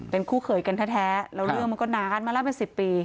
เป็นคู่เขยกันแท้แล้วเรื่องมันก็นานมาแล้วเป็น๑๐ปี